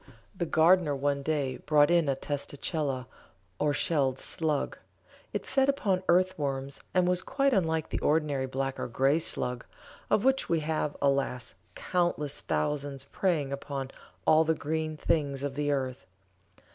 The gardener one day brought in a testacella, or shelled slug. It fed upon earth worms and was quite unlike the ordinary black or grey slug, of which we have, alas! countless thousands preying upon all the green things of the earth.